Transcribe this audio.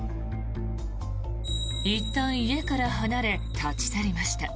いったん家から離れ立ち去りました。